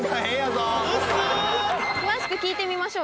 詳しく聞いてみましょう。